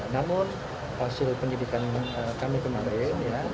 namun hasil penyidikan kami kemarin